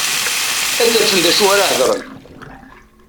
Ad afen d acu ara hedren.